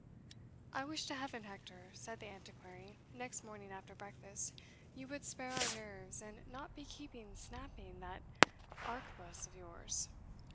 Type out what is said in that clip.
"I wish to Heaven, Hector," said the Antiquary, next morning after breakfast, "you would spare our nerves, and not be keeping snapping that arquebuss of yours."